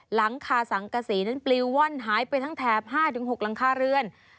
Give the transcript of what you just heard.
หลังคาสังกษีนั้นปลิวว่อนหายไปทั้งแถบ๕๖หลังคาเรือน